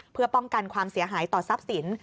เพื่อป้องกันความเสียหายต่อทรัพย์สิน